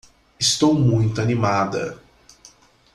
Estou muito animada